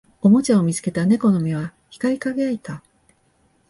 おもちゃを見つけた猫の目は光り輝いた